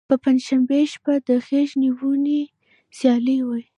په پنجشنبې شپه د غیږ نیونې سیالۍ وي.